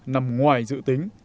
nằm ngoài dự tính